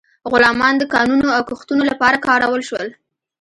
غلامان د کانونو او کښتونو لپاره کارول شول.